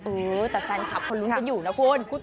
อื้อแต่แฟนทัพคนรู้กันอยู่นะคุณ